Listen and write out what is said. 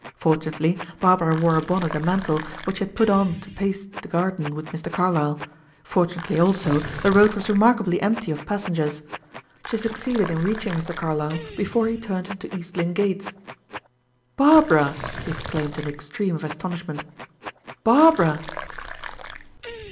Fortunately Barbara wore a bonnet and mantle, which she had put on to pace the garden with Mr. Carlyle; fortunately, also, the road was remarkably empty of passengers. She succeeded in reaching Mr. Carlyle before he turned into East Lynne gates. "Barbara!" he exclaimed in the extreme of astonishment. "Barbara!"